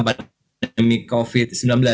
pandemi covid sembilan belas